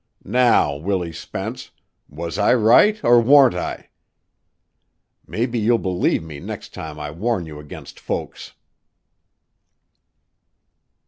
Now, Willie Spence, was I right or warn't I? Mebbe you'll believe me the next time I warn you against folks."